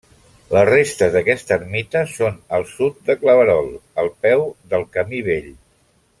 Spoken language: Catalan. Les restes d'aquesta ermita són al sud de Claverol, al peu del Camí Vell.